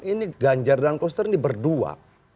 ini ganjar dan koster ini berdua